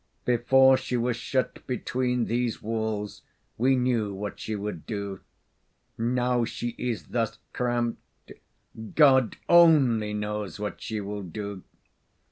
"Before she was shut between these walls we knew what she would do. Now she is thus cramped God only knows what she will do!"